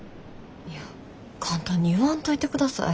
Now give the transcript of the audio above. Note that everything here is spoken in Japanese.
いや簡単に言わんといてください。